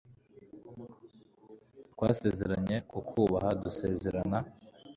twasezeranye kukubaha, dusezerana